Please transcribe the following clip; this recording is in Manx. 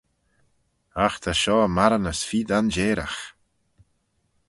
Agh ta shoh marranys feer danjeyragh.